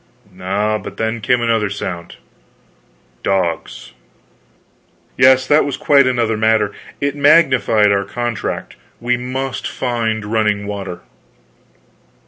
Ah, but then came another sound dogs! Yes, that was quite another matter. It magnified our contract we must find running water.